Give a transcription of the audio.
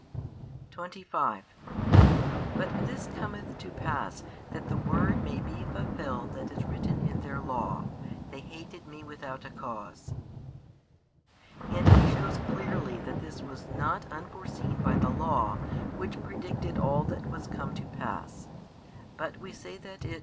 25 But this cometh to pass, that the word may he fulfilled that is written in their Law, They hated Me without a cause. And He shows clearly that this was not unforeseen by the Law, which predicted all that was to come to pass; but we say that it.